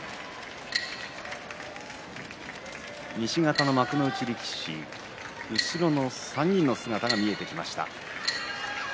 西方の幕内力士後ろの３人の姿が見えてきました。